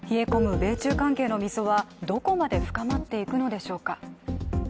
米中関係の溝はどこまで深まっていくのでしょうか。